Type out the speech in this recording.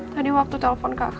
tadi waktu telepon kakak